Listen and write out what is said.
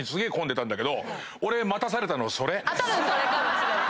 それかもしれない。